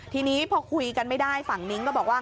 ทีนี้พอคุยกันไม่ได้ฝั่งนิ้งก็บอกว่า